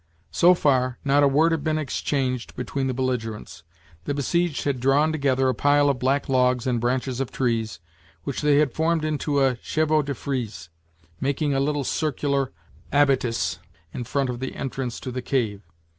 So far, not a word had been exchanged between the belligerents. The besieged had drawn together a pile of black logs and branches of trees, which they had formed into a chevaux de frise, making a little circular abatis in front of the entrance to the cave.